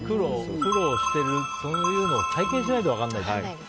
苦労してる、そういうのを体験しないと分からない。